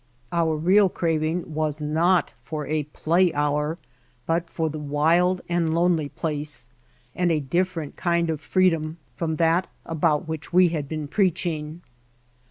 Our real craving was not for a play hour, but for the The Feel of the Outdoors wild and lonely place and a different kind of freedom from that about which we had been preaching.